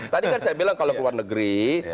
tadi kan saya bilang kalau ke luar negeri